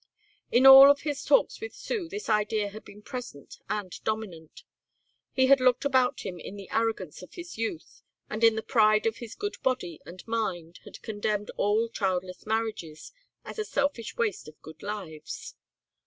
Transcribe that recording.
In all of his talks with Sue this idea had been present and dominant. He had looked about him and in the arrogance of his youth and in the pride of his good body and mind had condemned all childless marriages as a selfish waste of good lives.